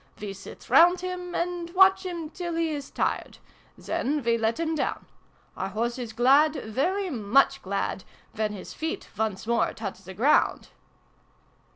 We sit round him, and watch him till he is tired. Then we let him down. Our horse is glad, very much glad, when his feet once more touch the ground